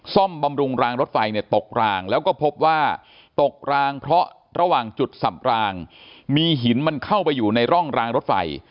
บำรุงรางรถไฟเนี่ยตกรางแล้วก็พบว่าตกรางเพราะระหว่างจุดสับรางมีหินมันเข้าไปอยู่ในร่องรางรถไฟ